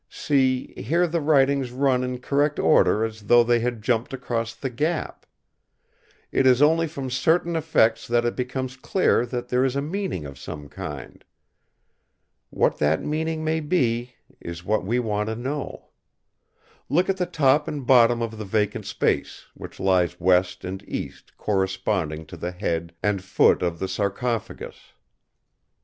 See, here the writings run in correct order as though they had jumped across the gap. It is only from certain effects that it becomes clear that there is a meaning of some kind. What that meaning may be is what we want to know. Look at the top and bottom of the vacant space, which lies West and East corresponding to the head and foot of the sarcophagus.